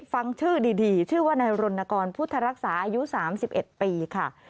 ฟังชื่อดีชื่อว่านายรณกรพุทธรักษาอายุ๓๑ปีค่ะ